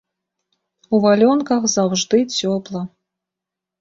У валёнках заўжды цёпла.